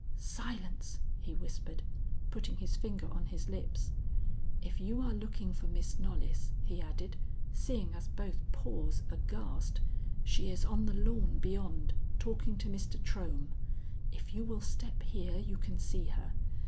"Silence!" he whispered, putting his finger on his lips. "If you are looking for Miss Knollys," he added, seeing us both pause aghast, "she is on the lawn beyond, talking to Mr. Trohm. If you will step here, you can see her.